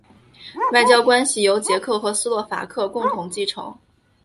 外交关系由捷克和斯洛伐克共同继承。